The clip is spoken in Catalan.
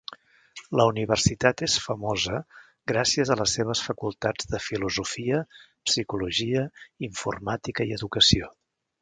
La universitat és famosa gràcies a les seves facultats de filosofia, psicologia, informàtica i educació.